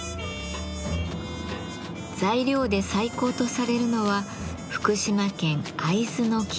材料で最高とされるのは福島県会津の桐。